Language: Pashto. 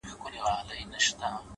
o چي پاڼه وشړېدل ـ